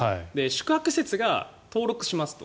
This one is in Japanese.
宿泊施設が登録しますと。